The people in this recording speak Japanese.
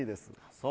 そう？